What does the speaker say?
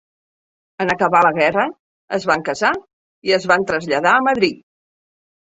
En acabar la guerra es van casar i es van traslladar a Madrid.